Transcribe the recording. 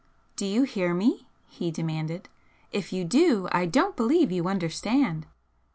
"Do you hear me?" he demanded "If you do, I don't believe you understand!"